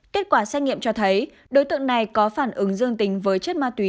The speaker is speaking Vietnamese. kết quả xét nghiệm cho thấy đối tượng này có phản ứng dương tính với chất ma túy